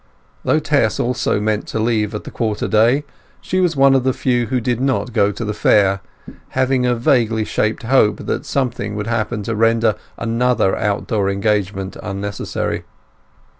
Though Tess also meant to leave at the quarter day, she was one of the few who did not go to the fair, having a vaguely shaped hope that something would happen to render another outdoor engagement unnecessary.